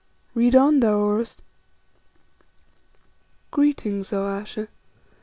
Read on, thou Oros." "Greetings, O Ayesha.